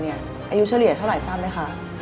อายุเฉลยะเท่าไหร่ทรัพย์ไหม